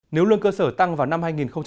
nếu lương cơ sở tăng vào năm hai nghìn hai mươi